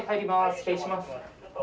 失礼します。